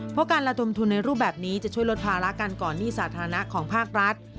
เพราะการระดมทุนในรูปแบบนี้จะช่วยลดภาระการก่อนหนี้สาธารณะของภาครัฐ